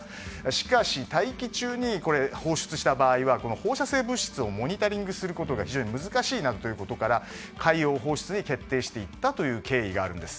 しかし、大気中に放出した場合は放射性物質をモニタリングすることが非常に難しくなっていることから海洋放出に決定していったという経緯があるんです。